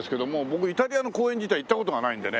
僕イタリアの公園自体行った事がないんでね。